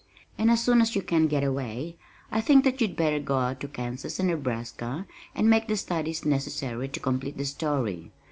"And as soon as you can get away, I think that you'd better go out to Kansas and Nebraska and make the studies necessary to complete the story.